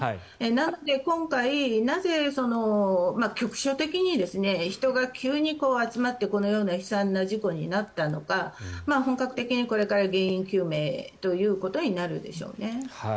なので、今回なぜ局所的に人が急に集まって、このような悲惨な事故になったのか本格的にこれから原因究明となるでしょうね。